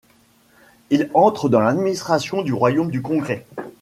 Il entre dans l'administration du Royaume du Congrès.